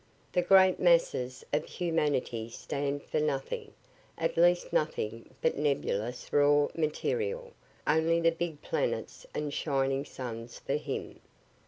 The great masses of humanity stand for nothing at least nothing but nebulous raw material; only the big planets and shining suns for him.